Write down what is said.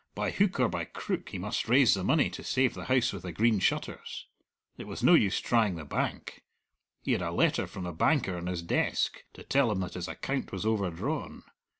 By hook or by crook he must raise the money to save the House with the Green Shutters. It was no use trying the bank; he had a letter from the banker in his desk, to tell him that his account was overdrawn.